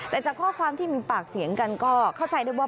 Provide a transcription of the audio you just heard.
แต่จากข้อความที่มีปากเสียงกันก็เข้าใจได้ว่า